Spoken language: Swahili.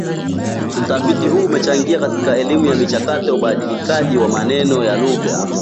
Utafiti huu umechangia katika elimu ya michakato ya ubadilikaji wa maneno ya lugha